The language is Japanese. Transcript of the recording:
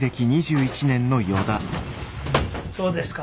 どうですか？